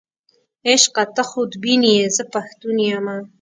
عشقه ته خودبین یې، زه پښتون یمه.